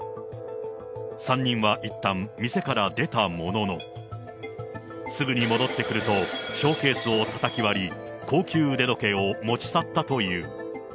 ３人はいったん店から出たものの、すぐに戻ってくると、ショーケースをたたき割り、高級腕時計を持ち去ったという。